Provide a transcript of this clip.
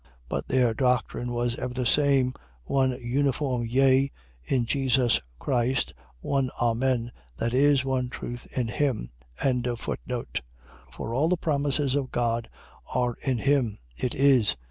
But their doctrine was ever the same, one uniform yea, in Jesus Christ, one Amen, that is, one truth in him. 1:20. For all the promises of God are in him, It is.